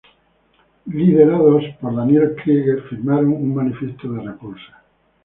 Liderados por Daniel Krieger, firmaron un manifiesto de repulsa.